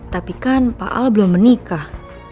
tapi kan pak ala belum menikah